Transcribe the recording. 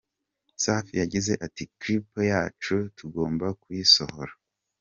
Safi yagize ati: ”Clip yacu tugomba kuyisohora.